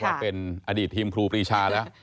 มาเป็นอดีตทีมครูปรีชาแล้ว